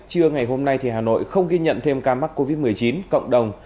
trưa ngày hôm nay hà nội không ghi nhận thêm ca mắc covid một mươi chín cộng đồng